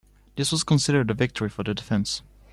This was considered a victory for the defence.